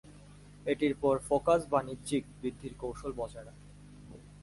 এটির পর, ফোকাস বাণিজ্যিক বৃদ্ধির কৌশল বজায় রাখে।